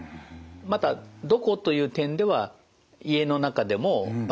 また「どこ」という点では家の中でも場所がわからない。